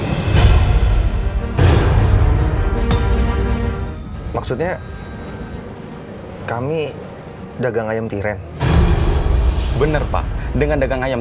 hai maksudnya kami dagang ayam tiren bener pak dengan dagang ayam